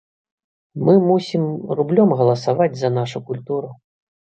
Мы мусім рублём галасаваць за нашу культуру.